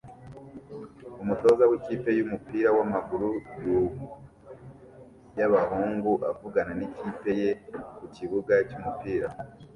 Umutoza w'ikipe y'umupira w'amaguru y'abahungu avugana n'ikipe ye ku kibuga cy'umupira